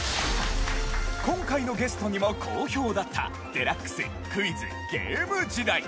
今回のゲストにも好評だった『ＤＸ』クイズ＆ゲーム時代！